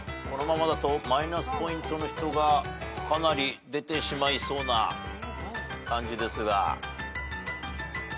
このままだとマイナスポイントの人がかなり出てしまいそうな感じ。